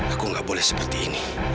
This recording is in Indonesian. aku nggak boleh seperti ini